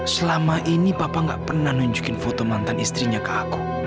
selama ini papa gak pernah nunjukin foto mantan istrinya ke aku